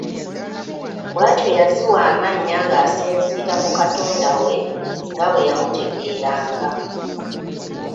Bw’atyo yaziwa amannya ng’asinziira ku katonda we nga bwe yamutegeeranga.